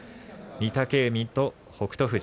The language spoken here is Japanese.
御嶽海と北勝